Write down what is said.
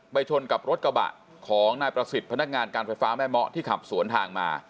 ชนกับรถกระบะของนายประสิทธิ์พนักงานการไฟฟ้าแม่เมาะที่ขับสวนทางมา